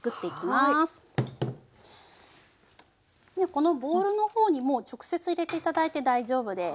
このボウルの方にもう直接入れて頂いて大丈夫です。